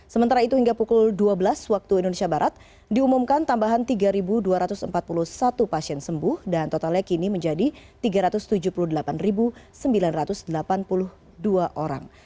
sementara itu hingga pukul dua belas waktu indonesia barat diumumkan tambahan tiga dua ratus empat puluh satu pasien sembuh dan totalnya kini menjadi tiga ratus tujuh puluh delapan sembilan ratus delapan puluh dua orang